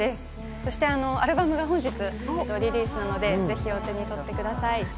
そしてアルバムが本日リリースなので、お手に取ってください。